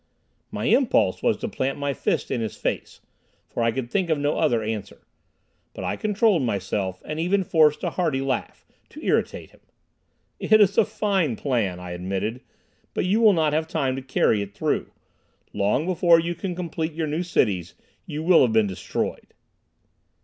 My impulse was to plant my fist in his face, for I could think of no other answer. But I controlled myself, and even forced a hearty laugh, to irritate him. "It is a fine plan," I admitted, "but you will not have time to carry it through. Long before you can complete your new cities you will have been destroyed."